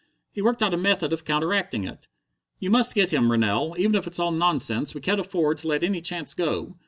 He worked out a method of counteracting it." "You must get him, Rennell. Even if it's all nonsense, we can't afford to let any chance go.